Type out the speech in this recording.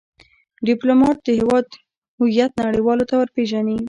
ډيپلومات د هیواد هویت نړېوالو ته ور پېژني.